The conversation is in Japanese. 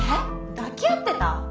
抱き合ってた？